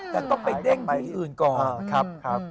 แต่ก็ไปเด้งไปที่อื่นก่อน